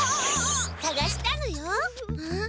さがしたのよ。